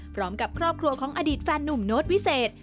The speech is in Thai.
พร้อมกับครอบครัวของอดีตแฟนนุ่มโน้ตวิเศษ